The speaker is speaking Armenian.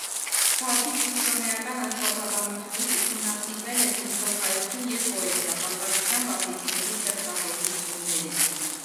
Բացի քրիստոնեական աստվածաբանությունից, ուսումնասիրվել է փիլիսոփայություն և պոեզիա, բացառությամբ «աթեիստների» ստեղծագործությունների։